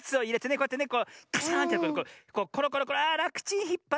こうやってねこうカシャーンってコロコロコロあらくちんひっぱってねって。